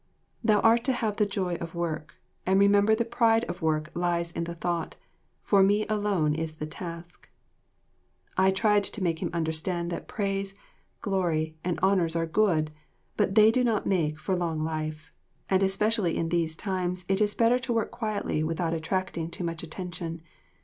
Thou art to have the joy of work, and remember the pride of work lies in the thought, 'For me alone is the task.'" I tried to make him understand that praise, glory, and honours are good, but they do not make for long life, and especially in these times it is better to work quietly without attracting too much attention.